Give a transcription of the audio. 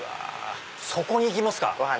そこにいきますか！